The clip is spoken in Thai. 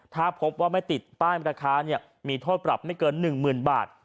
ถ้าพบว่าไม่ติดป้ายราคามีโทษปรับไม่เกิน๑๐๐๐บาท